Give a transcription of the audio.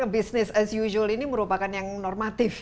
business as usual ini merupakan yang normatif